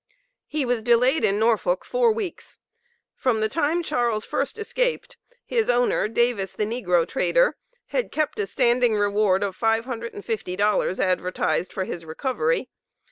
He was delayed in Norfolk four weeks. From the time Charles first escaped, his owner (Davis the negro trader), had kept a standing reward of $550 advertised for his recovery.